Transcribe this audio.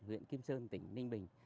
huyện kim sơn tỉnh ninh bình